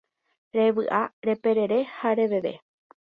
Revy'a, reperere ha reveve